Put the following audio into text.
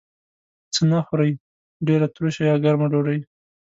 څه نه خورئ؟ ډیره تروشه یا ګرمه ډوډۍ